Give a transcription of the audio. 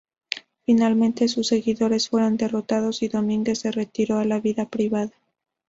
Finalmente sus seguidores fueron derrotados y Domínguez se retiró a la vida privada.